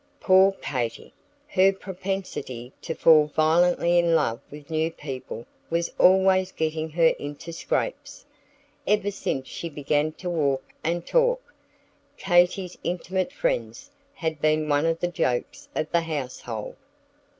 Poor Katy! Her propensity to fall violently in love with new people was always getting her into scrapes. Ever since she began to walk and talk, "Katy's intimate friends" had been one of the jokes of the household.